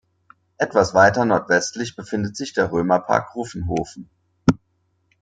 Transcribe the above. Etwas weiter nordwestlich befindet sich der Römerpark Ruffenhofen.